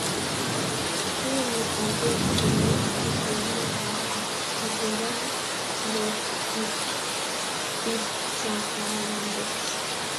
unii anget kole kochorani ngo pikchayandet